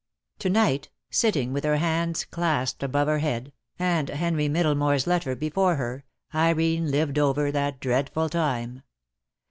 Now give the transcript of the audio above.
To night, sitting with her hands clasped above her head, and Henry Middlemore's letter before her, Irene lived over that dreadful time.